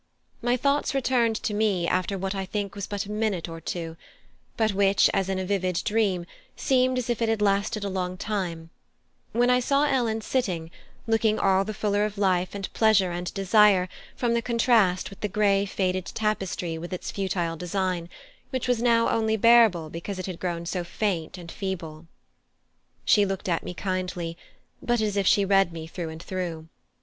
My thought returned to me after what I think was but a minute or two, but which, as in a vivid dream, seemed as if it had lasted a long time, when I saw Ellen sitting, looking all the fuller of life and pleasure and desire from the contrast with the grey faded tapestry with its futile design, which was now only bearable because it had grown so faint and feeble. She looked at me kindly, but as if she read me through and through.